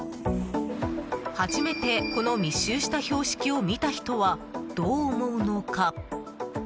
初めてこの密集した標識を見た人はどう思うのか。